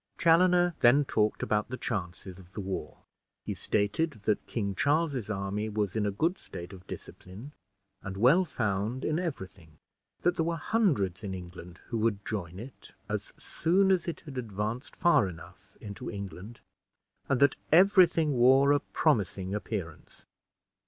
Chaloner then talked about the chances of the war. He stated that King Charles's army was in a good state of discipline, and well found in everything; that there were hundreds in England who would join it, as soon as it had advanced far enough into England; and that every thing wore a promising appearance.